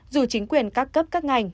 dù chính quyền các cấp các ngành